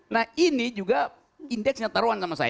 nah ini juga indeksnya taruhan sama saya